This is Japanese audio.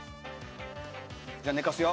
じゃあ寝かすよ。